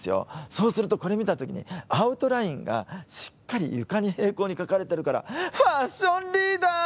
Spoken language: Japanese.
そうするとこれ見たときにアウトラインがしっかり床に平行に描かれてるからファッションリーダー！